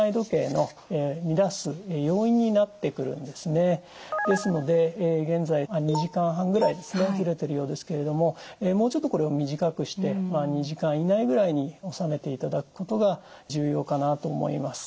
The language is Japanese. ただですので現在２時間半ぐらいずれてるようですけれどももうちょっとこれを短くして２時間以内ぐらいに収めていただくことが重要かなと思います。